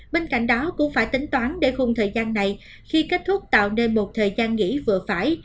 bên cạnh đó cũng phải tính toán để khung thời gian này khi kết thúc tạo nên một thời gian nghỉ vừa phải